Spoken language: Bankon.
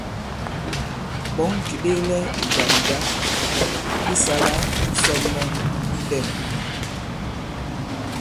Ɓɔ̌ŋ kì ɓeklɛ ì jàm jǎ di sālā i ǹsɔ̀n mɔŋ mu ndɛ̄m.